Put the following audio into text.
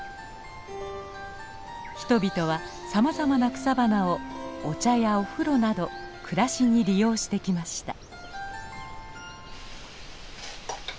人々はさまざまな草花をお茶やお風呂など暮らしに利用してきました。